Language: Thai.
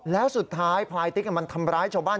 แล้วสุดท้ายพลายติ๊กมันทำร้ายชาวบ้าน